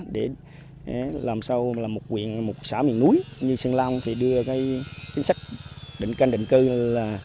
để làm sâu một xã miền núi như sơn long thì đưa cái chính sách định canh định cư là